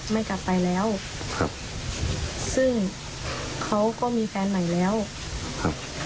ไม่กลับไปแล้วครับซึ่งเขาก็มีแฟนใหม่แล้วครับ